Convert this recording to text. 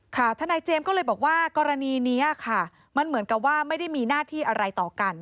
ทนายเจมส์ก็เลยบอกว่ากรณีนี้ค่ะมันเหมือนกับว่าไม่ได้มีหน้าที่อะไรต่อกัน